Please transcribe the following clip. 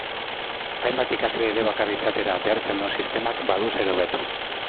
Hainbat ikasle elebakar izatera behartzen duen sistemak badu zer hobetu.